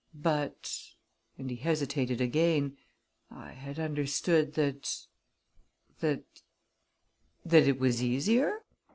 "But," and he hesitated again, "I had understood that that " "That it was easier?